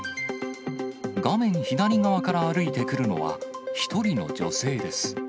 画面左側から歩いてくるのは、一人の女性です。